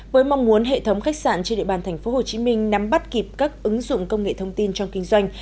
với mong muốn hệ thống khách sạn trên địa bàn tp hcm nắm bắt kịp các ứng dụng công nghệ thông tin trong kinh doanh